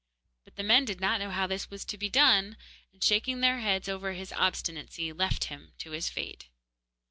But the men did not know how this was to be done, and, shaking their heads over his obstinacy, left him to his fate.